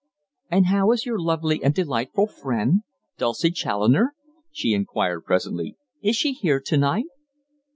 "And how is your lovely and delightful friend Dulcie Challoner?" she inquired presently. "Is she here to night?"